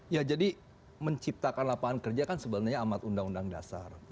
ya jadi menciptakan lapangan kerja kan sebenarnya amat undang undang dasar